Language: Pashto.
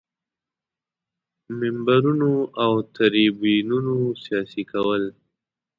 منبرونو او تریبیونونو سیاسي کول.